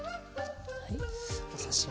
お刺身も。